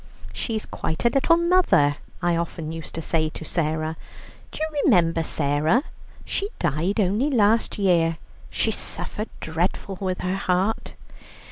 'She's quite a little mother,' I often used to say to Sarah. Do you remember Sarah? She died only last year; she suffered dreadful with her heart.